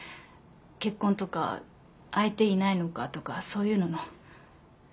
結婚とか相手いないのかとかそういうのの。